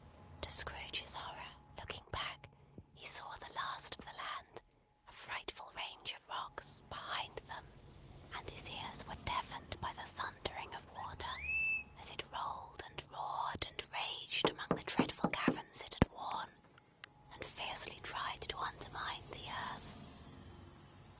To Scrooge's horror, looking back, he saw the last of the land, a frightful range of rocks, behind them; and his ears were deafened by the thundering of water, as it rolled and roared, and raged among the dreadful caverns it had worn, and fiercely tried to undermine the earth.